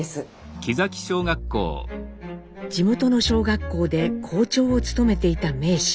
地元の小学校で校長を務めていた名士。